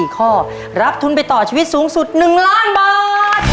๔ข้อรับทุนไปต่อชีวิตสูงสุด๑ล้านบาท